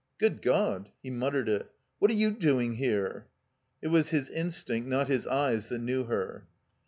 ••Good God!" He muttered it. ''What are you doing here?" It was his instinct, not his eyes that knew her.